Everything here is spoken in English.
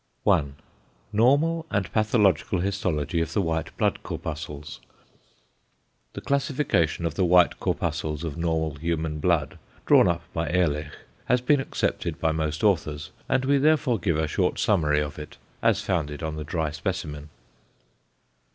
I. NORMAL AND PATHOLOGICAL HISTOLOGY OF THE WHITE BLOOD CORPUSCLES. The classification of the white corpuscles of normal human blood, drawn up by Ehrlich, has been accepted by most authors, and we therefore give a short summary of it, as founded on the dry specimen.